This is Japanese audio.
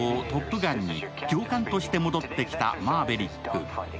トップガンに教官として戻ってきたマーヴェリック。